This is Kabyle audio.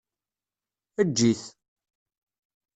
Eǧǧ-it.